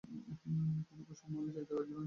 কিন্তু কুসুম আর যাইতে রাজি নয়।